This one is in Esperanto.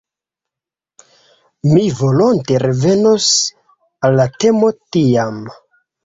Mi volonte revenos al la temo tiam.